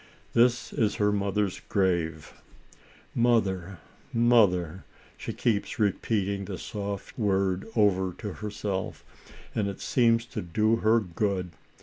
This is her mother's grave. " Mother,"* " Mother ;" she keeps repeating the soft word over to her self, and it seems to do her good.